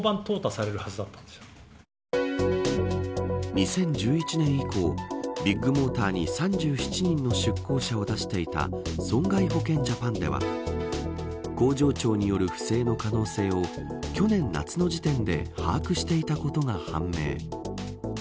２０１１年以降ビッグモーターに３７人の出向者を出していた損害保険ジャパンでは工場長による不正の可能性を去年夏の時点で把握していたことが判明。